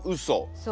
そう。